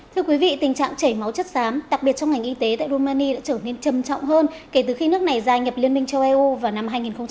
thưa quý vị tình trạng chảy máu chất xám đặc biệt trong ngành y tế tại rumani đã trở nên trầm trọng hơn kể từ khi nước này gia nhập liên minh châu âu vào năm hai nghìn một mươi